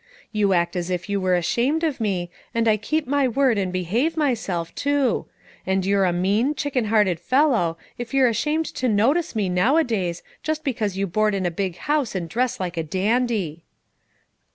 You act as if you were ashamed of me, and I keep my word and behave myself, too; and you're a mean, chicken hearted fellow, if you're ashamed to notice me now a days, just because you board in a big house and dress like a dandy."